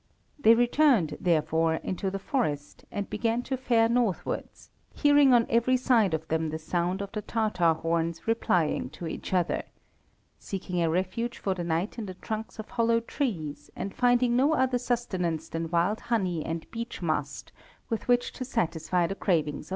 They returned, therefore, into the forest, and began to fare northwards, hearing on every side of them the sound of the Tatar horns replying to each other; seeking a refuge for the night in the trunks of hollow trees, and finding no other sustenance than wild honey and beach mast with which to satisfy the cravings of hunger.